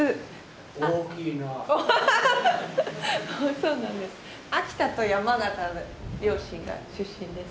そうなんです。